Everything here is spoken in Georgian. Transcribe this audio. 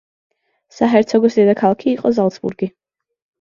საჰერცოგოს დედაქალაქი იყო ზალცბურგი.